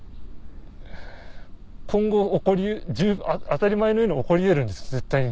今後当たり前のように起こり得るんです絶対に。